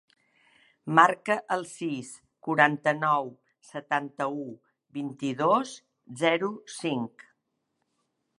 Marca el sis, quaranta-nou, setanta-u, vint-i-dos, zero, cinc.